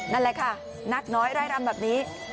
นั่นแหละค่ะนักน้อยไร่รำแบบนี้